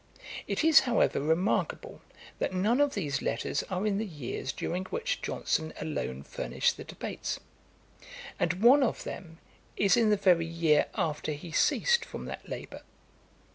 It is, however, remarkable, that none of these letters are in the years during which Johnson alone furnished the Debates, and one of them is in the very year after he ceased from that labour.